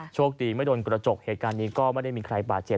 โชคดีไม่โดนกระจกเหตุการณ์นี้ก็ไม่ได้มีใครบาดเจ็บ